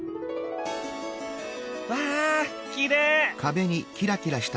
わあきれい！